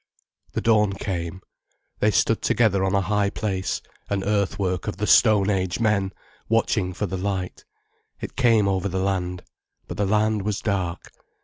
The dawn came. They stood together on a high place, an earthwork of the stone age men, watching for the light. It came over the land. But the land was dark.